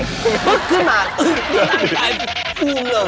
ขึ้นมาด้านใจฟูมเลย